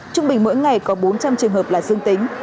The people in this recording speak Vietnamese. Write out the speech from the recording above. trung bình mỗi ngày có bốn trăm linh trường hợp là dương tính